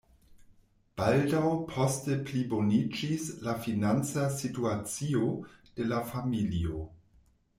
Baldaŭ poste pliboniĝis la financa situacio de la familio.